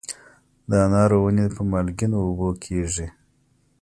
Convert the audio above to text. د انارو ونې په مالګینو اوبو کیږي؟